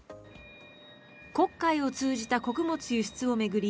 黒海を通じた穀物輸出を巡り